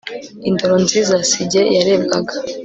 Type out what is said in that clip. indoro nziza si jye yarebwaga